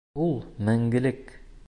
Ул мәңгелек.